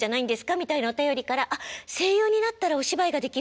みたいなお便りから「声優になったらお芝居ができる。